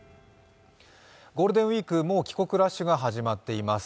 ゴールデンウイーク、もう帰国ラッシュが始まっています。